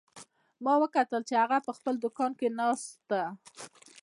ما وکتل چې هغه په خپل دوکان کې ناست ده